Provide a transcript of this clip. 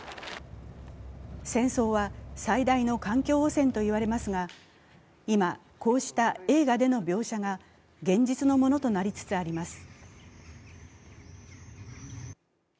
戦争は最大の環境汚染と言われますが、今、こうした映画での描写が現実のものとなりつつあります。